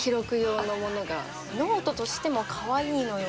ノートとしてもかわいいのよ。